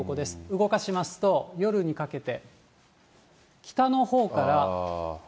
動かしますと、夜にかけて、北のほうから。